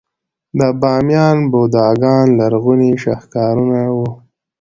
د بامیان بوداګان لرغوني شاهکارونه وو